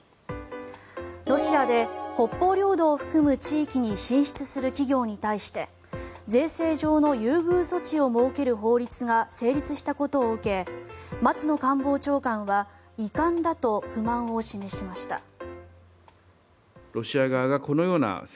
ロシアで北方領土を含む地域に進出する企業に対して税制上の優遇措置を設ける法律が成立したことを受け松野官房長官は遺憾だと不満を示しました。